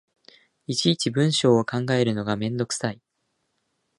いちいち文章を考えるのがめんどくさい